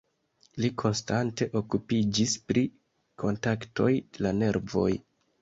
Li konstante okupiĝis pri kontaktoj de la nervoj.